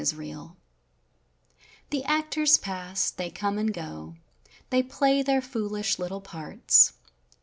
I I The actors pass, they come and go, they play their foolish little parts.